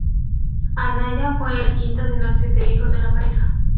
Anaya fue el quinto de los siete hijos de la pareja.